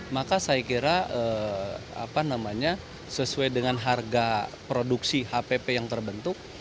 maka saya kira sesuai dengan harga produksi hpp yang terbentuk